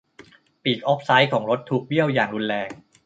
ปีกออฟไซด์ของรถถูกเบี้ยวอย่างรุนแรง